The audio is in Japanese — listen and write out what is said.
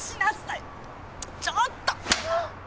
ちょっと！